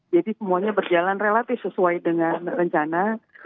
jadi semuanya berjalan relatif sesuai dengan rencana